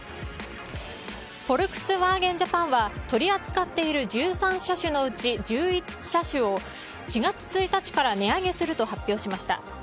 フォルクスワーゲンジャパンは取り扱っている１３車種のうち１１車種を４月１日から値上げすると発表しました。